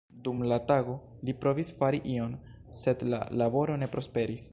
Dum la tago li provis fari ion, sed la laboro ne prosperis.